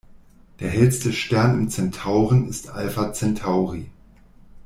Der hellste Stern im Zentauren ist Alpha Centauri.